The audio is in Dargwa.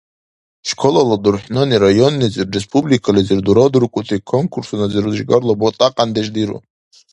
Школала дурхӀнани районнизир, республикализир дурадуркӀути конкурсуназир жигарла бутӀакьяндеш диру.